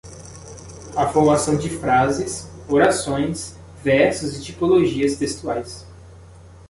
A formação de frases, orações, versos e tipologias textuais